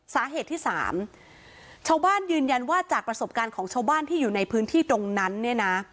สาเหตุที่สามชาวบ้านยืนยันว่าจากประสบการณ์ของชาวบ้านที่อยู่ในพื้นที่ตรงนั้นเนี่ยนะ